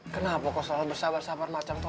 kenapa kok selalu bersabar sabar macam itu